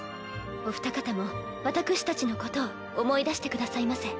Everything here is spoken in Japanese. お二方も私たちのことを思い出してくださいませ。